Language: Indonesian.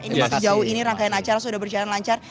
ini masih jauh ini rangkaian acara sudah berjalan lancar